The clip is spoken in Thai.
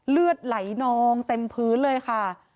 เลือดไหลนองเต็มพื้นเลยค่ะ